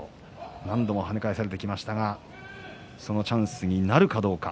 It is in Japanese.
何度も跳ね返されてきましたがそのチャンスになるかどうか。